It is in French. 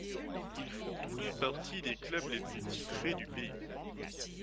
Ils font tous deux partie des clubs les plus titrés du pays.